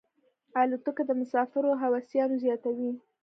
الوتکه د مسافرو هوساینه زیاتوي.